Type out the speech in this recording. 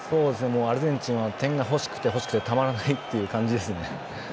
もうアルゼンチンは点が欲しくて欲しくてたまらないという感じですよね。